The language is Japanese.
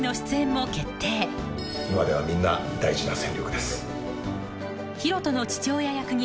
今ではみんな大事な戦力です。